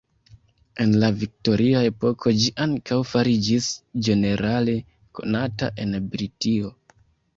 En la viktoria epoko ĝi ankaŭ fariĝis ĝenerale konata en Britio.